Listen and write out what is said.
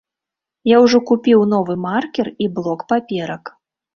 Я ўжо купіў новы маркер і блок паперак.